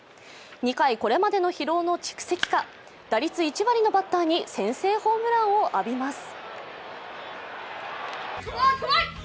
２回、これまでの疲労の蓄積か打率１割のバッターに先制ホームランを浴びます。